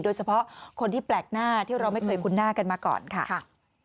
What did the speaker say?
โดยเฉพาะคนที่แปลกหน้าที่เราไม่เคยคุ้นหน้ากันมาก่อนค่ะ